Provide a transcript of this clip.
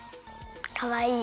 かわいい。